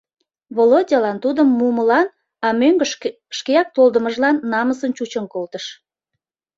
Володялан тудым мумылан, а мӧҥгышкӧ шкеак толдымыжлан намысын чучын колтыш.